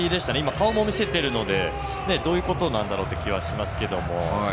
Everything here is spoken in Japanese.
顔も見せているのでどういうことなんだろうという気がしますが。